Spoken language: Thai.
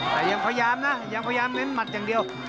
แต่ยังพยายามนะยังพยายามเน้นหมัดอย่างเดียว